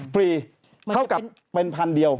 ฟรีเข้ากับเป็น๑๐๐๐เดียว